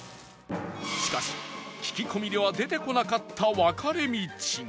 しかし聞き込みでは出てこなかった分かれ道が